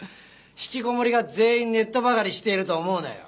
ひきこもりが全員ネットばかりしていると思うなよ。